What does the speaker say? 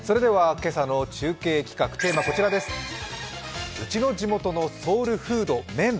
今朝の中継企画、テーマはこちらです、うちの地元のソウルフード麺。